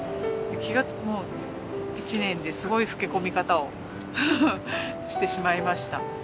気がつくと１年ですごい老け込み方をしてしまいました。